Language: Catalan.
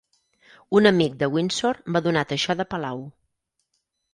Un amic de Windsor m'ha donat això de palau.